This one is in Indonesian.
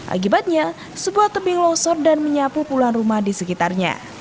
akibatnya sebuah tebing longsor dan menyapu puluhan rumah di sekitarnya